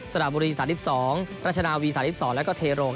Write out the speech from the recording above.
สนามบุรี๓๒ราชนาวี๓๒และเทโร